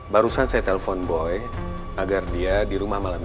barusan saya telpon boy agar dia di rumah malam ini